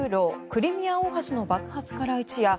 クリミア大橋の爆発から一夜。